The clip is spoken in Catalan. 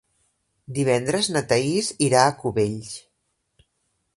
Divendres na Thaís irà a Cubells.